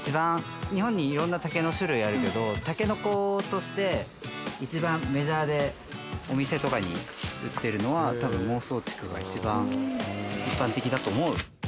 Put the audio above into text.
日本にいろんな竹の種類あるけどタケノコとして一番メジャーでお店とかに売ってるのはたぶんモウソウチクが一番一般的だと思う。